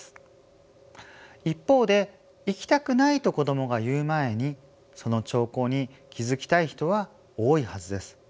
一方で「行きたくない」と子どもが言う前にその兆候に気付きたい人は多いはずです。